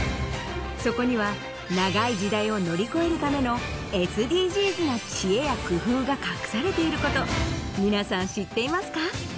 そこには長い時代を乗り越えるためのＳＤＧｓな知恵や工夫が隠されていること皆さん知っていますか？